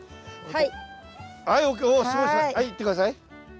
はいいって下さい。